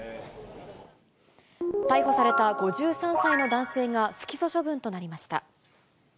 逮捕された５３歳の男性が不起訴処分となりました。